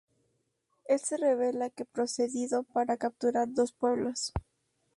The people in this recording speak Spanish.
El se rebela que procedido para capturar dos pueblos.